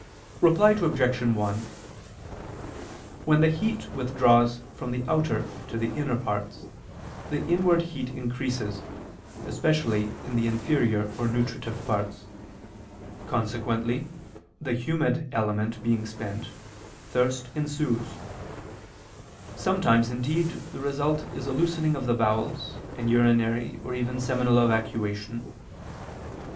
Reply Obj. 1: When the heat withdraws from the outer to the inner parts, the inward heat increases, especially in the inferior or nutritive parts. Consequently the humid element being spent, thirst ensues; sometimes indeed the result is a loosening of the bowels, and urinary or even seminal evacuation.